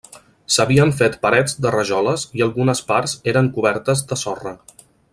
S'havien fet parets de rajoles i algunes parts eren cobertes de sorra.